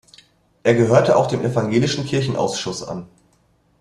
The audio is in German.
Er gehörte auch dem Evangelischen Kirchenausschuss an.